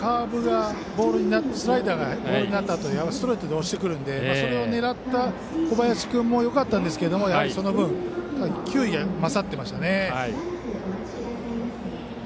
スライダーがボールになったあとはストレートで押してくるのでそれを狙った小林君もよかったんですが、その分球威が勝っていましたね。